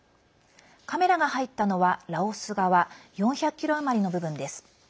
カメラが入ったのはラオス側４００ｋｍ余りの部分です。